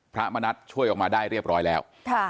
พระมณัฐช่วยออกมาได้เรียบร้อยแล้ว